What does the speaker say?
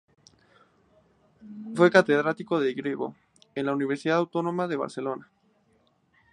Fue catedrático de griego en la Universidad Autónoma de Barcelona.